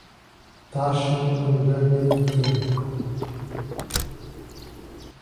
Taxa não ganha de tempo